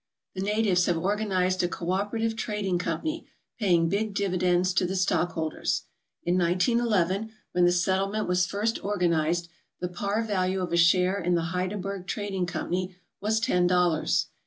The natives have organized a cooperative trading company paying big dividends to the stockholders. In 1911, when the settlement was first organized, the par value of a share in the Hydaburg Trading Company was ten dollars.